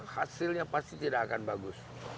hasilnya pasti tidak akan bagus